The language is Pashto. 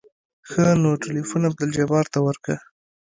ښه نو ټېلفون عبدالجبار ته ورکه.